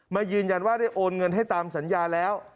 ยืนยันว่าได้โอนเงินให้ตามสัญญาแล้ว